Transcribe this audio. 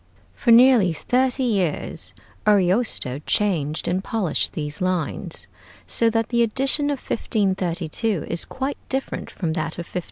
For nearly thirty years Ariosto changed and polished these lines, so that the edition of 1532 is quite different from that of 1516.